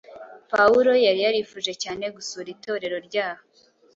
Pawulo yari yarifuje cyane gusura Itorero ryaho